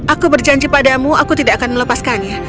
aku berjanji padamu aku tidak akan melepaskannya